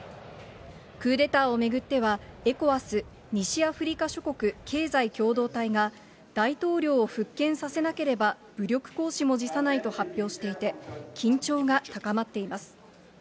クーデターを巡っては、エコワス・西アフリカ諸国経済共同体が、大統領を復権させなければ武力行使も辞さないと発表していて、緊張が高まっています。